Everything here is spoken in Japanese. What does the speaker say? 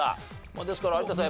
ですから有田さん